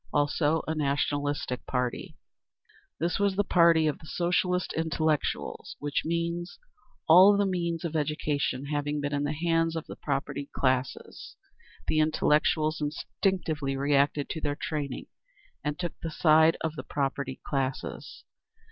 Also a nationalistic party. This was the party of the Socialist intellectuals, which means: all the means of education having been in the hands of the propertied classes, the intellectuals instinctively reacted to their training, and took the side of the propertied classes.